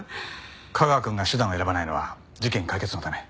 架川くんが手段を選ばないのは事件解決のため。